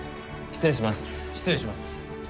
失礼します。